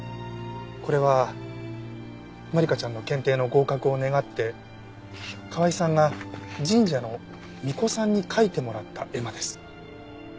これは万理華ちゃんの検定の合格を願って川井さんが神社の巫女さんに書いてもらった絵馬です。